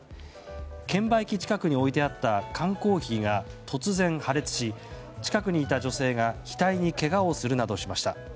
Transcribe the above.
券売機近くに置いてあった缶コーヒーが突然破裂し近くにいた女性が額にけがをするなどしました。